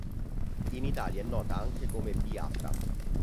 In Italia è nota anche come biafra.